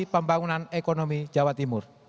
pembangunan ekonomi jawa timur